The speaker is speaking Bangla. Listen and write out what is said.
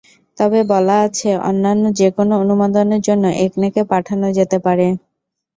তবে বলা আছে, অন্যান্য যেকোনো অনুমোদনের জন্য একনেকে পাঠানো যেতে পারে।